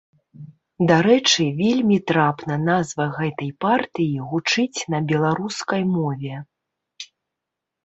Дарэчы, вельмі трапна назва гэтай партыі гучыць на беларускай мове.